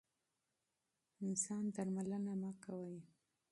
ځان درملنه مه کوئ.